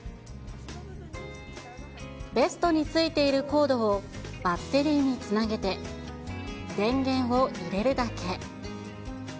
ベストについているコードをバッテリーにつなげて、電源を入れるだけ。